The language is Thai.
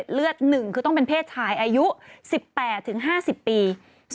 ผู้บริจาคเกล็ดเลือด๑คือต้องเป็นเพศชายอายุ๑๘ถึง๕๐ปี